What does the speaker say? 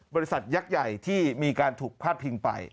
บริษัทยักษ์ใหญ่ที่มีการถูกพาดพิงไป